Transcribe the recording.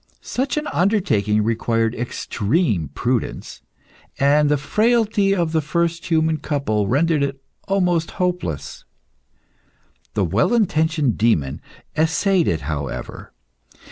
Such an undertaking required extreme prudence, and the frailty of the first human couple rendered it almost hopeless. The well intentioned demon essayed it, however.